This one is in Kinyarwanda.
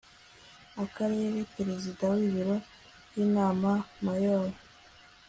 akarere perezida w ibiro by inama mayor